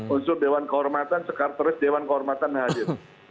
unsur dewan kehormatan sekar terus dewan kehormatan hadir